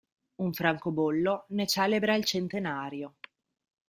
Un francobollo ne celebra il centenario.